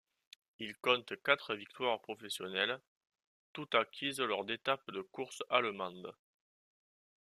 Il compte quatre victoires professionnelles, toutes acquises lors d'étapes de courses allemandes.